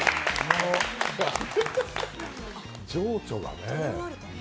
情緒がね